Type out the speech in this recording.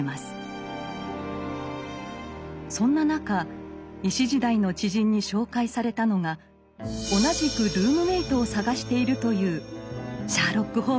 そんな中医師時代の知人に紹介されたのが同じくルームメートを探しているというシャーロック・ホームズでした。